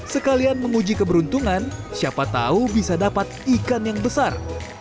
sekalian menguji keberuntungan siapa tahu bisa dapat ikan yang besar